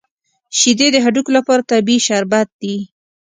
شیدې د هډوکو لپاره طبیعي شربت دی